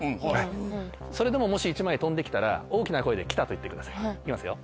それでももし１枚飛んで来たら大きな声で来たと言ってください行きますよ。